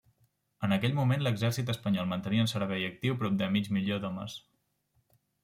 En aquell moment l'Exèrcit espanyol mantenia en servei actiu prop de mig milió d'homes.